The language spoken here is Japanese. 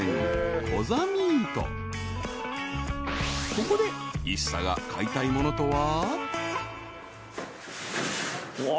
［ここでＩＳＳＡが買いたいものとは］